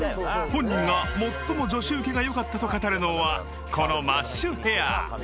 本人が最も女子ウケがよかったと語るのは、このマッシュヘア。